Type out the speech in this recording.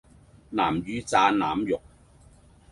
南乳炸腩肉